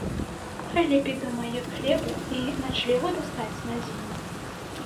Хай лепей думае, як хлеба і начлегу дастаць на зіму.